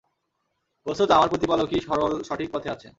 বস্তুত আমার প্রতিপালকই সরল সঠিক পথে আছেন।